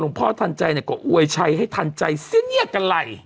หลวงพ่อทันใจก็อวยชัยให้ทันใจเสี้ยเนี่ยกันไร